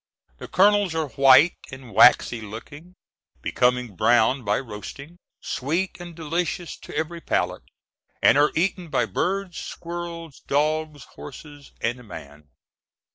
The kernels are white and waxy looking, becoming brown by roasting, sweet and delicious to every palate, and are eaten by birds, squirrels, dogs, horses, and man.